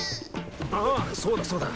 ああそうだそうだ。